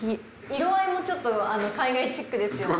色合いもちょっと海外チックですよね。